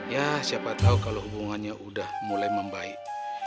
ya siapa tau kalo hubungannya udah mulai membaik